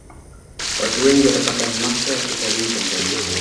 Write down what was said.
Watu wengi watapata hamasa ya kutalii tanzania